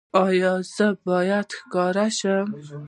ایا زه باید ښکاره شم؟